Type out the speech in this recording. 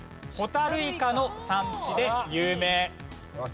ホタルイカの産地で有名。